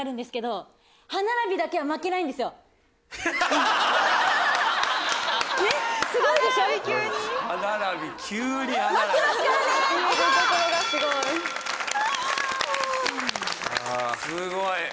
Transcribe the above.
すごい。